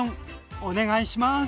お願いします。